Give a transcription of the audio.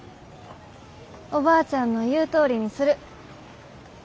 おばあちゃんの言うとおりにする。